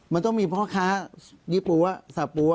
มันต้องมีพ่อค้ายี่ปั๊วสาปั๊ว